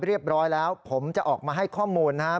เรียบร้อยแล้วผมจะออกมาให้ข้อมูลนะครับ